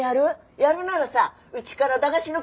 やるならさうちから駄菓子の景品出そうか？